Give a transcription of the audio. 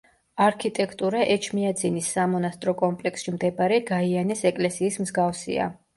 არქიტექტურა ეჩმიაძინის სამონასტრო კომპლექსში მდებარე გაიანეს ეკლესიის მსგავსია.